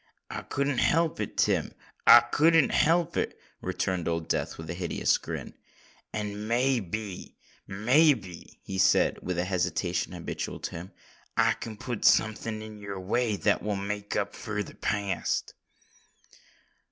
"I couldn't help it, Tim—I couldn't help it," returned Old Death with a hideous grin. "And may be—may be," he added, with the hesitation habitual to him, "I can put something in your way, that will make up for the past."